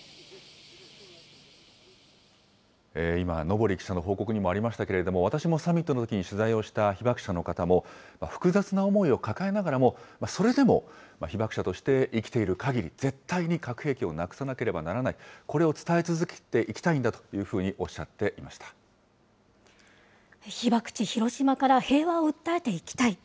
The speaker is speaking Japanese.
今、昇記者の報告にもありましたけど、私もサミットのときに取材をした被爆者の方も、複雑な思いを抱えながらも、それでも、被爆者として生きているかぎり、絶対に核兵器をなくさなければならない、これを伝え続けていきたいんだというふうにおっしゃって被爆地広島から平和を訴えていきたい。